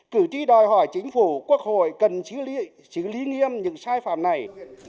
cử tri đòi hỏi chính phủ quốc hội cần chứa lý nghiêm những sai phạm này